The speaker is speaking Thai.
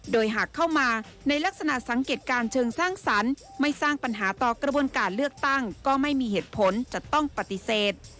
โดยหากเข้ามาในลักษณะสังเกตการณ์เชิงสร้างสรรค์ไม่สร้างปัญหาต่อกระบวนการเลือกตั้งก็ไม่มีเหตุผลจะต้องปฏิเสธ